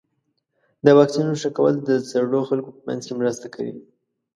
د واکسینونو ښه کول د زړو خلکو په منځ کې مرسته کوي.